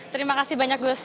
terima kasih banyak gus